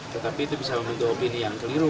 tetapi itu bisa membentuk opini yang keliru